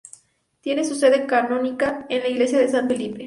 Tiene su sede canónica en la iglesia de San Felipe.